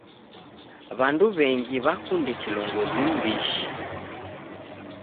W'andu w'engi w'akunde kilongozi m'mbishi.